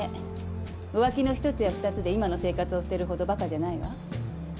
浮気の一つや二つで今の生活を捨てるほどバカじゃないわ。